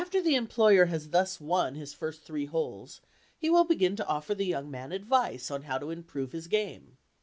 After the employer has thus won his first three holes he will begin to offer the young man advice on how to improve his game.